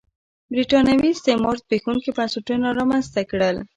برېټانوي استعمار زبېښونکي بنسټونه رامنځته کړل.